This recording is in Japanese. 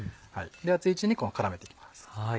熱いうちに絡めていきます。